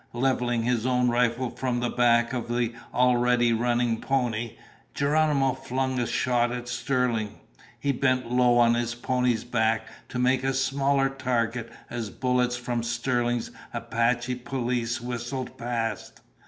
Leveling his own rifle from the back of the already running pony, Geronimo flung a shot at Sterling. He bent low on his pony's back to make a smaller target as bullets from Sterling's Apache police whistled past.